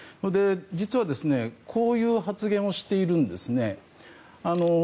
実は、こういう発言をしているんですね。